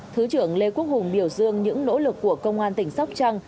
thứ trưởng lê quốc hùng biểu dương những nỗ lực của công an tỉnh sóc trăng